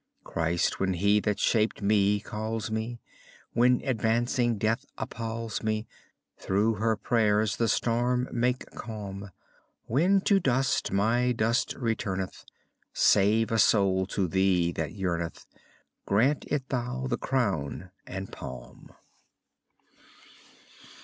Christ, when he that shaped me calls me, When advancing death appalls me. Through her prayer the storm make calm: When to dust my dust returneth Save a soul to thee that yearneth; Grant it thou the crown and palm.